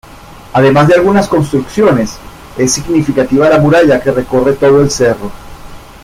Además de algunas construcciones es significativa la muralla que recorre todo el cerro.